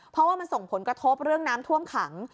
เพราะว่ามันส่งผลกระทบเรื่องน้ำท่วมขัง